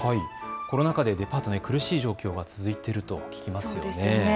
コロナ禍で苦しい状況が続いていると聞きますよね。